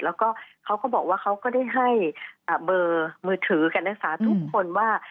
แล้วก็เขาก็บอกว่าเขาก็ได้ให้เบอร์มือถือกันนักศึกษาทุกคนว่า